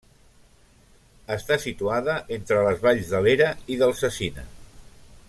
Està situada entre les valls de l'Era i del Cecina.